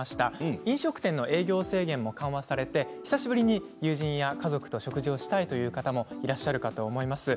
飲食店の営業制限も緩和されて久しぶりに家族や友人と食事をしたという方もいらっしゃるかもしれません。